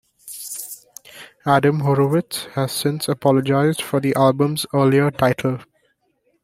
Adam Horovitz has since apologized for the album's earlier title.